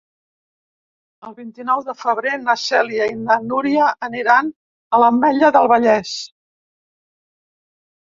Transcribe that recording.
El vint-i-nou de febrer na Cèlia i na Núria aniran a l'Ametlla del Vallès.